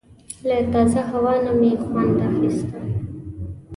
له تازه هوا نه مې خوند اخیست.